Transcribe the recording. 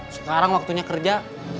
sekarang waktunya kerja